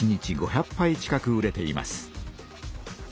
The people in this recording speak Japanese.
１日５００ぱい近く売れています。